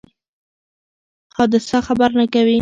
حادثه خبر نه کوي.